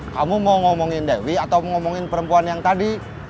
kamu mau ngomongin dewi atau ngomongin perempuan yang tadi